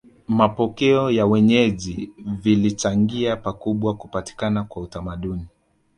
Mapokeo ya wenyeji vilichangia pakubwa kupatikana kwa utamaduni